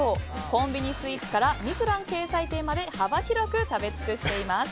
コンビニスイーツから「ミシュラン」掲載店まで幅広く食べ尽くしています。